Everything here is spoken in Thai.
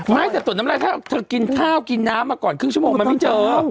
ไม่แต่ส่วนน้ำลายถ้าเธอกินข้าวกินน้ำมาก่อนครึ่งชั่วโมงมันไม่เจอ